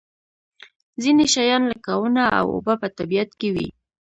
ځینې شیان لکه ونه او اوبه په طبیعت کې وي.